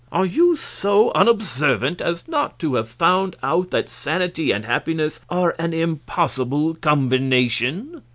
"Are you so unobservant as not to have found out that sanity and happiness are an impossible combination?